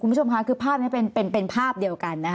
คุณผู้ชมค่ะภาพนี้เป็นภาพเดียวกัน